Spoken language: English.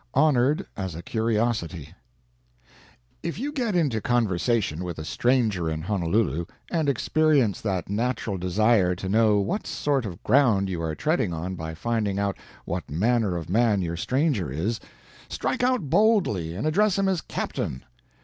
HONORED AS A CURIOSITY If you get into conversation with a stranger in Honolulu, and experience that natural desire to know what sort of ground you are treading on by finding out what manner of man your stranger is, strike out boldly and address him as "Captain."